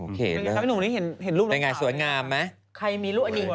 โอเคเริ่มเป็นไงสวยงามไหมใครมีลูกอันนี้